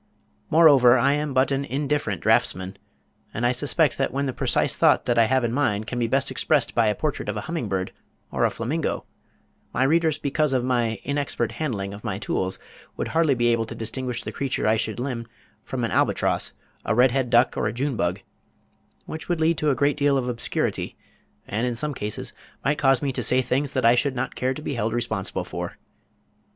Moreover I am but an indifferent draughtsman, and I suspect that when the precise thought that I have in mind can best be expressed by a portrait of a humming bird, or a flamingo, my readers because of my inexpert handling of my tools would hardly be able to distinguish the creature I should limn from an albatross, a red head duck, or a June Bug, which would lead to a great deal of obscurity, and in some cases might cause me to say things that I should not care to be held responsible for.